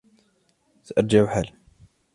سأرجع حالاً.